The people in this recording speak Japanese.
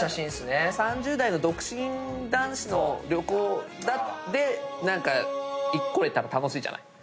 ３０代の独身男子の旅行で何か来れたら楽しいじゃない。